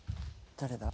・誰だ？